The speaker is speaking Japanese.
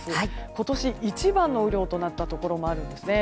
今年一番の雨量となったところもあるんですね。